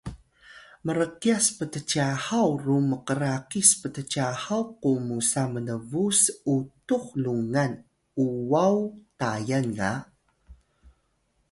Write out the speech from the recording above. mrkyas ptcyahaw ru mkrakis ptcyahaw ku musa mnbuw s’utux lungan uwaw Tayan ga